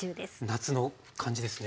夏の感じですね。